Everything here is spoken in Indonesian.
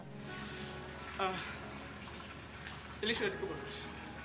lili sudah dikubur mas